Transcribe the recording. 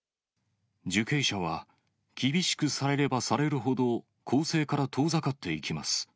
受刑者は厳しくされればされるほど、更生から遠ざかっていきます。